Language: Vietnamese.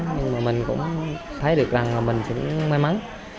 nhưng mà mình cũng thấy được rằng là mình cũng may mắn